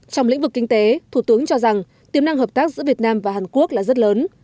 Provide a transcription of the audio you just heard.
trong lĩnh vực kinh tế thủ tướng cho rằng tiềm năng hợp tác giữa việt nam và hàn quốc là rất lớn